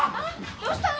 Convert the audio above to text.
どしたの？